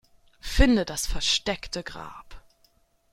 Finde das versteckte Grab.